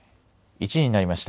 １時になりました。